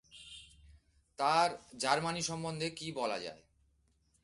তার জার্মানি সম্বন্ধে কী বলা যায়?